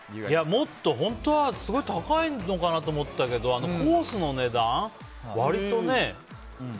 もっと、本当はすごい高いのかなと思ったけどコースの値段が割とね。